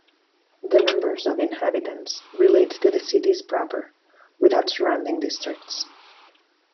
The numbers of inhabitants relate to the cities proper without surrounding districts.